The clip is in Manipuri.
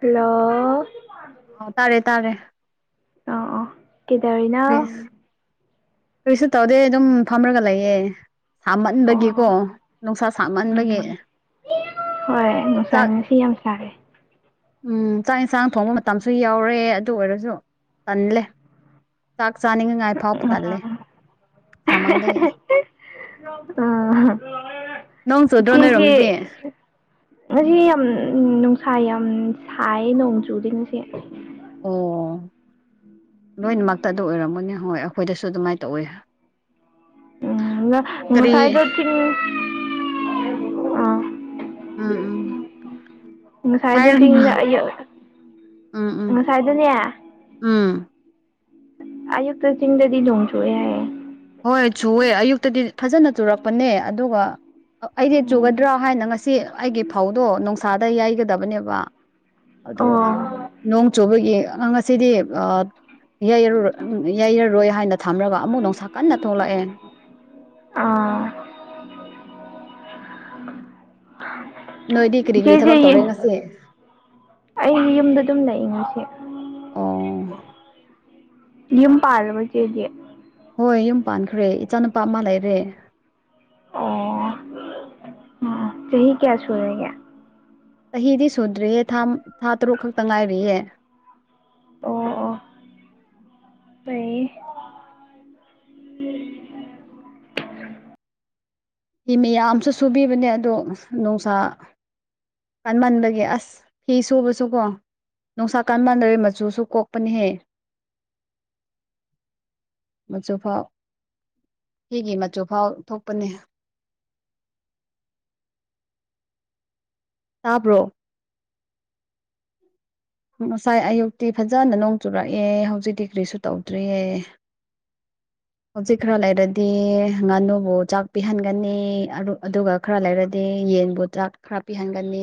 ꯍꯜꯂꯣ꯫ ꯑꯣ ꯇꯥꯔꯦ ꯇꯥꯔꯦ꯫ ꯀꯦꯗꯧꯔꯤꯅꫭ꯫ ꯀꯔꯤꯁꯨ ꯇꯧꯗꯦ ꯑꯗꯨꯝ ꯐꯝꯂꯒ ꯂꯩꯌꯦ꯫ ꯁꯥꯝꯃꯟꯕꯒꯤꯀꯣ ꯑꯣ ꯅꯨꯡꯁꯥ ꯁꯥꯝꯃꯟꯕꯒꯤ꯫ ꯎꯝ ꯍꯣꯏ ꯅꯨꯡꯁꯥꯏ ꯉꯁꯤ ꯌꯥꯝ ꯁꯥꯏ꯫ ꯎꯝ ꯆꯥꯛ ꯌꯦꯟꯁꯥꯡ ꯊꯣꯡꯕ ꯃꯇꯝꯁꯨ ꯌꯥꯎꯔꯦ ꯑꯗꯨ ꯑꯣꯏꯔꯁꯨ ꯇꯜꯂꯦ꯫ ꯆꯥꯛ ꯆꯥꯅꯤꯡꯉꯥꯉꯥꯏ ꯐꯥꯎꯕ ꯇꯜꯂꯦ꯫ ꯁꯥꯃꯟꯕꯒꯤ ꯑ꯫ ꯅꯣꯡ ꯆꯨꯗ꯭ꯔꯣ ꯏꯆꯦꯒꯤ꯫ ꯅꯣꯏꯔꯣꯝꯗꯗꯤ ꯉꯁꯤ ꯌꯥꯝ ꯅꯨꯡꯁꯥ ꯌꯥꯝ ꯁꯥꯏ ꯅꯣꯡ ꯆꯨꯗꯦ ꯉꯁꯤ꯫ ꯑꯣ INAUDIBLE ꯂꯣꯏꯅꯃꯛꯇ ꯑꯗꯨ ꯑꯣꯏꯔꯝꯒꯅꯤ ꯍꯣꯏ ꯑꯩꯈꯣꯏꯗꯁꯨ ꯑꯗꯨꯃꯥꯏꯅ ꯇꯧꯋꯦ꯫ ꯎꯝ ꯀꯔꯤ ꯉꯁꯥꯏꯗꯣ ꯆꯤꯡ꯫ ꯑꯥ ꯎꯝ ꯎꯝ꯫ ꯉꯁꯥꯏꯗꯨ ꯍꯥꯏꯔꯅꯨ ꯆꯤꯡꯗ ꯑꯌꯨꯛ ꯎꯝ ꯎꯝ ꯉꯁꯥꯏꯗꯨꯅꯦ꯫ ꯎꯝ꯫ ꯑꯌꯨꯛꯇ ꯆꯤꯡꯗꯗꯤ ꯅꫭꯡ ꯆꯨꯌꯦ ꯍꯥꯏꯌꯦ꯫ ꯍꯣꯏ ꯆꯨꯑꯦ ꯑꯌꯨꯛꯇꯗꯤ ꯐꯖꯅ ꯆꯨꯔꯛꯄꯅꯦ ꯑꯗꯨꯒ꯫ ꯑꯩꯗꯤ ꯎꯝ ꯆꯨꯒꯗ꯭ꯔ ꯍꯥꯏꯅ ꯉꯁꯤ ꯑꯩꯒꯤ ꯐꯧꯗꯣ ꯅꯨꯡꯁꯥꯗ ꯌꯥꯩꯒꯗꯕꯅꯦꯕ꯫ ꯑꯗꯣ ꯑꯣ ꯅꯣꯡ ꯆꯨꯕꯒꯤ ꯑ ꯉꯁꯤꯗꯤ ꯑꯥ꯫ ꯌꯩꯔꯣꯏ ꯌꯩꯔꯔꯣꯏ ꯍꯥꯏꯅ ꯊꯝꯔꯒ ꯑꯃꯨꯛ ꯅꯨꯡꯁꯥ ꯀꯟꯅ ꯊꯣꯛꯂꯛꯑꯦ ꯑꯥ ꯅꯣꯏꯗꯤ ꯀꯔꯤ ꯀꯔꯤ ꯏꯆꯦꯁꯦ ꯊꯕꯛ ꯇꯧꯔꯦ ꯉꯁꯤ ꯑꯩꯒꯤ ꯌꯨꯝꯗ ꯑꯗꯨꯝ ꯂꯩꯏ ꯉꯁꯤ ꯑꯣ ꯌꯨꯝ ꯄꯥꯜꯂꯕ ꯆꯦꯗꯤ ꯍꯣꯏ ꯌꯨꯝ ꯄꯥꯟꯈ꯭ꯔꯦ ꯏꯆꯥ ꯅꯨꯨꯄꯥ ꯑꯃ ꯂꯩꯔꯦ ꯑꯣ ꯎꯝ ꯆꯍꯤ ꯀꯌꯥ ꯁꯨꯨꯔꯒꯦ꯫ ꯆꯍꯤꯗꯤ ꯁꯨꯗ꯭ꯔꯤꯌꯦ ꯊꯥꯝ ꯊꯥ ꯇꯔꯨꯛ ꯈꯛꯇ ꯉꯥꯏꯔꯤꯌꯦ꯫ ꯑꯣ ꯑꯣ ꯐꯩꯌꯦ꯫ [unintelligible] ꯐꯤ ꯃꯌꯥꯝꯁꯨ ꯁꯨꯕꯤꯕꯅꯦ ꯑꯗꯣ ꯅꯨꯡꯁꯥ꯫ ꯀꯥꯟꯃꯟꯥꯟꯕꯒꯤ ꯑꯁ ꯐꯤ ꯁꯨꯕꯁꯨ ꯀꯣ꯫ ꯅꯨꯡꯁꯥ ꯀꯥꯟ ꯃꯥꯟꯅꯔꯦ ꯃꯆꯨꯁꯨ ꯀꯣꯛꯄꯅꯦꯍꯦ [inaudible] ꯃꯆꯨꯐꯥꯎ ꯁꯤꯒꯤ ꯃꯆꯨꯐꯥꯎ ꯊꯣꯛꯄꯅꯦ ꯇꯥꯕ꯭ꯔꯣ ꯉꯁꯥꯏ ꯑꯌꯨꯛꯇꯤ ꯐꯖꯅ ꯅꯣꯡ ꯆꯨꯔꯛꯑꯦ ꯍꯧꯖꯤꯛ ꯗꯤ ꯀ꯭ꯔꯤꯁꯨ ꯇꯧꯗ꯭ꯔꯤꯌꯦ [inaudible] ꯍꯧꯖꯤꯛ ꯈꯔ ꯂꯩꯔꯗꯤ ꯉꯥꯅꯨꯕꯨ ꯆꯥꯛ ꯄꯤꯍꯟꯒꯅꯤ ꯑꯗꯨꯒ ꯈꯔ ꯂꯩꯔꯗꯤ ꯌꯦꯟꯕꯨ ꯆꯥꯛ ꯈꯔ ꯄꯤꯍꯟꯒꯅꯤ